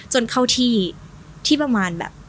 จนเข้าที่ที่ประมาณแบบ